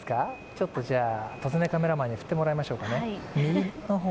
ちょっとカメラマンに振ってもらいましょうかね。